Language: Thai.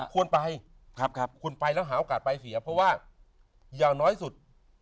ควรไปควรไปแล้วหาโอกาสไปเสียเพราะว่าอย่างน้อยสุด